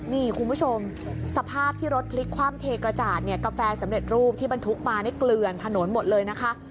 นี่คุณผู้ชมสภาพที่รถพลิกคว่ำเทกระจาดเนี่ยกาแฟสำเร็จรูปที่บรรทุกมานี่เกลือนถนนหมดเลยนะคะ